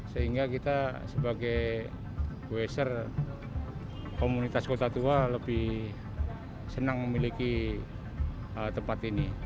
sehingga kita sebagai wester komunitas kota tua lebih senang memiliki tempat ini